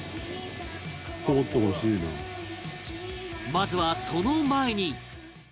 まずはその前に